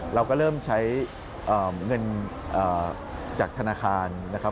เราก็เริ่มใช้เงินจากธนาคารนะครับ